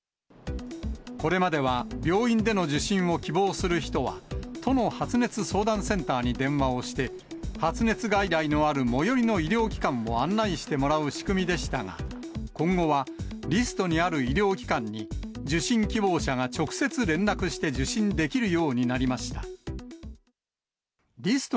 これまでは、病院での受診を希望する人は、都の発熱相談センターに電話をして、発熱外来のある最寄りの医療機関を案内してもらう仕組みでしたが、今後はリストにある医療機関に、受診希望者が直接連絡して受診できるようになりました。